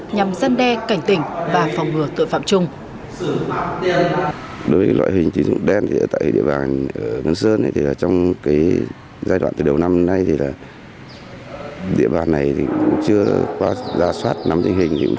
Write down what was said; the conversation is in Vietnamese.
nhằm giăn đe cảnh tỉnh và phòng ngừa tội phạm chung